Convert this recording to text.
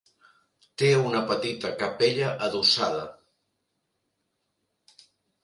Té una petita capella adossada.